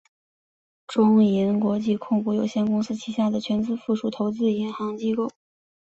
中银国际控股有限公司旗下的全资附属投资银行机构。